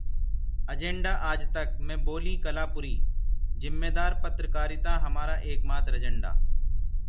Agenda Aajtak में बोलीं कली पुरीः जिम्मेदार पत्रकारिता हमारा एकमात्र एजेंडा